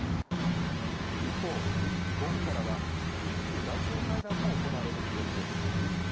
一方、午後からは日中外相会談も行われる見通しです。